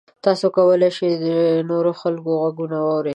تاسو کولی شئ د نورو خلکو غږونه هم واورئ.